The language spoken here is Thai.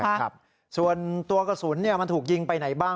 ครับส่วนตัวกระสุนเนี่ยมันถูกยิงไปไหนบ้าง